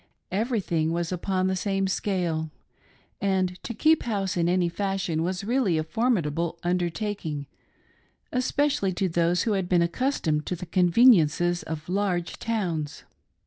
Everything was upon the same scale — and to keep house in any fashion was really a formidable undertaking, especially to those who had been ac customed to the conveniences of large towns.